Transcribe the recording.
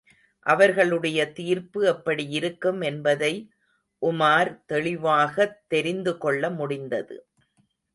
அவர்களுடைய தீர்ப்பு எப்படியிருக்கும் என்பதை உமார் தெளிவாகத் தெரிந்து கொள்ள முடிந்தது.